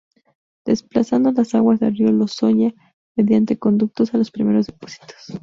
Desplazando las aguas del río Lozoya mediante conductos a los primeros depósitos.